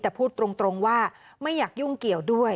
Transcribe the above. แต่พูดตรงว่าไม่อยากยุ่งเกี่ยวด้วย